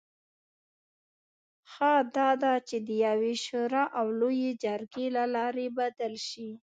ښه دا ده چې د یوې شورا او لویې جرګې له لارې بدل شي.